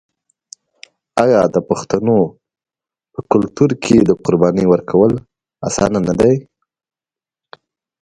آیا د پښتنو په کلتور کې د قربانۍ ورکول اسانه نه دي؟